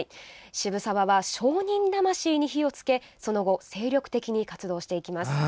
渋沢は、商人魂に火をつけその後、精力的に活動していきます。